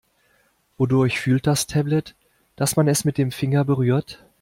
Wodurch fühlt das Tablet, dass man es mit dem Finger berührt?